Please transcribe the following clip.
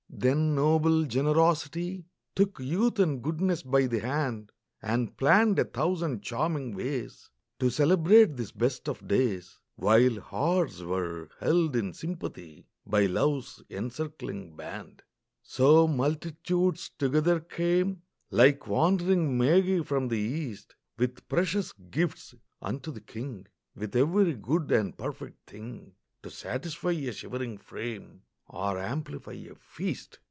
Then noble generosity Took youth and goodness by the hand, And planned a thousand charming ways To celebrate this best of days, While hearts were held in sympathy By love's encircling band. So multitudes together came, Like wandering magi from the East With precious gifts unto the King, With every good and perfect thing To satisfy a shivering frame Or amplify a feast.